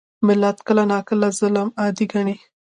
ملت کله ناکله ظالم عادي ګڼي.